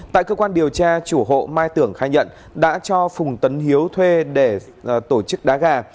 tại cơ quan điều tra chủ hộ mai tưởng khai nhận đã cho phùng tấn hiếu thuê để tổ chức đá gà